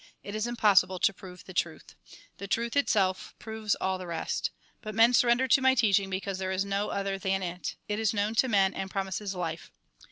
It is impossible to prove the truth. The truth itself proves all the rest. But men surrender to my teaching, because there is no other than it ; it is known to men, and promises life.